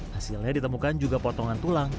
hasilnya ditemukan juga potongan tulang